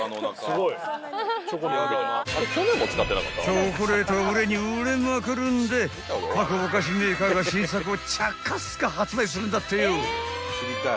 ［チョコレートが売れに売れまくるんで各お菓子メーカーが新作をチャカスカ発売するんだってよ］